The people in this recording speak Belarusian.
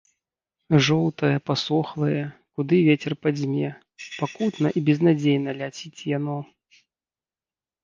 Жоўтае, пасохлае, куды вецер падзьме, пакутна і безнадзейна ляціць яно.